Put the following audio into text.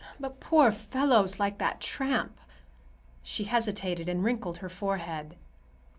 "But poor fellows like that tramp—" she hesitated and wrinkled her forehead.